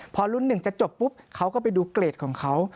พอรุ่นหนึ่งจะจบปุ๊บเขาก็ไปดูเกรดของเขา